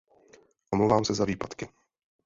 Omlouvám se za výpadky.